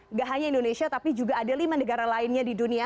nggak hanya indonesia tapi juga ada lima negara lainnya di dunia